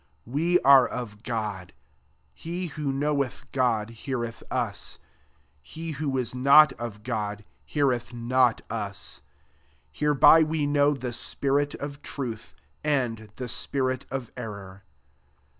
6 We are of God. He who know eth God, heareth us : he who is not of God, heareth not us. Hereby we know the spirit of truth, and the spirit of error.